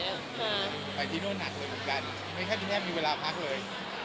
ไปที่โน่นหนักเลยกัน